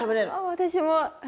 私も。